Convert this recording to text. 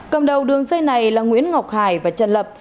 cầm đầu đường dây này là nguyễn ngọc hải và trần lập